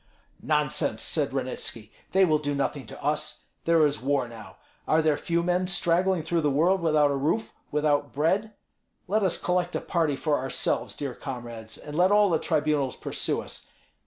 "Nonsense!" said Ranitski. "They will do nothing to us. There is war now; are there few men straggling through the world without a roof, without bread? Let us collect a party for ourselves, dear comrades, and let all the tribunals pursue us.